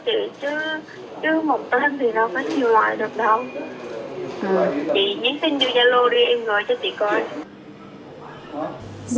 chị nhớ xin vô gia lô đi em gọi cho chị coi